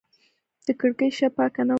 د کړکۍ شیشه پاکه نه وه.